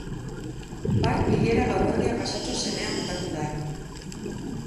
Bart bilera gauerdia pasatxo zenean bukatu da.